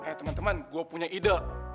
eh teman teman gue punya ide